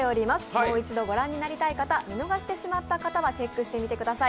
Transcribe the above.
もう一度御覧になりたい方、見逃した方はチェックしてみてください。